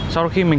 sau đó khi mình